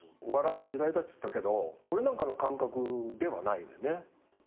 お笑いは時代だっつったけど俺なんかの感覚ではないんだよね。